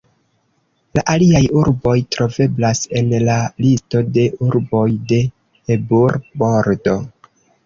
La aliaj urboj troveblas en la Listo de urboj de Ebur-Bordo.